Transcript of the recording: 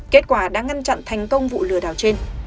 kết quả đã ngăn chặn thành công vụ lừa đảo trên